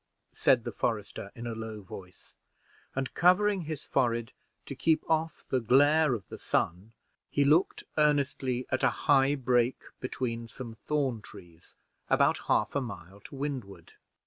said the forester, in a low voice; and, covering his forehead to keep off the glare of the sun, he looked earnestly at a high brake between some thorn trees, about a half a mile to the windward.